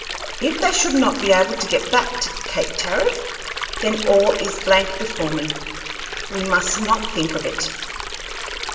If they should not be able to get back to Cape Tariff, then all is blank before me. We must not think of it."